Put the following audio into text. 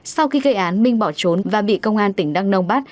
sau khi gây án minh bỏ trốn và bị công an tỉnh đắk nông bắt